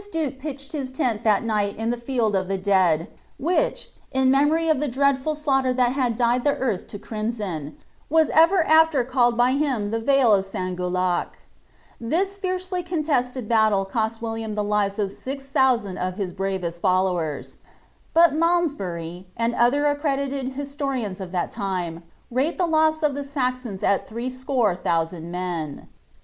VOL, 1. — 4 The »Ifl(rri(«ia duke pitched liie tent that niglil in the lielJ of the desilt which, in inemoiy of the dreadful slaughter that had dyeil the «»nh to erinison, was ever after called by him the vale of Sangurlae.' This fiercely coiilestei! baliie com William the lives of six thousand of his bravenl followers ; but Malmsbury, and other arrredited htstorikiu of thai lime, rale the loss of the Saxons at threescore tlionsand men.'